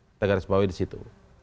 kita garis bawahi disitu